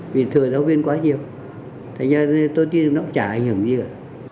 vì thừa giáo viên quá nhiều thế nên tôi chứ nó cũng chả ảnh hưởng gì cả